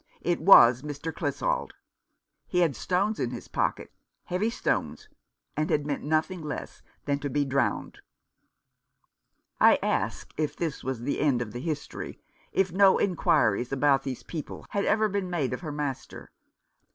It was Mr. Clissold. He had stones in his pockets — heavy stones, and had meant nothing less than to be drowned." I asked if this was the end of the history — if no inquiries about these people had ever been made of her master.